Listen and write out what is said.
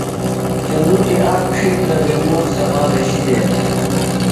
چلُٹیۡ آک ڇھیترہ وےۡ موݨ سما بھشی دےۡ۔